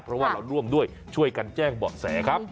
เพราะว่าเราร่วมด้วยช่วยกันแจ้งเบาะแสครับ